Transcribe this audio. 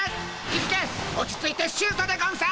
キスケ落ち着いてシュートでゴンス。